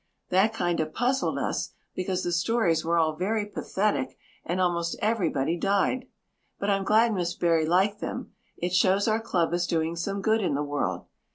That kind of puzzled us because the stories were all very pathetic and almost everybody died. But I'm glad Miss Barry liked them. It shows our club is doing some good in the world.